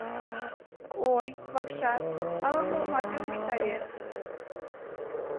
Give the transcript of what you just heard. Ой, вакшат, ала-момат йоҥышта вет.